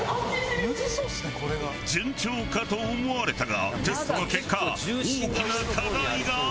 順調かと思われたがテストの結果大きな課題が明らかに！